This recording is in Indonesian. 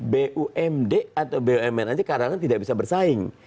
bumd atau bumn aja kadang kadang tidak bisa bersaing